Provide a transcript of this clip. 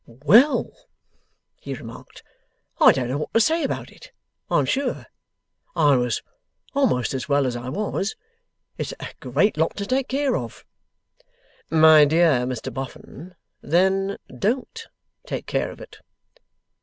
'Well,' he remarked, 'I don't know what to say about it, I am sure. I was a'most as well as I was. It's a great lot to take care of.' 'My dear Mr Boffin, then DON'T take care of it!